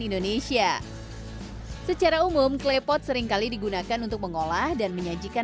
indonesia secara umum klepot seringkali digunakan untuk mengolah dan menyajikan